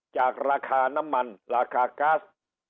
จากราคาน้ำมันราคาก๊าซ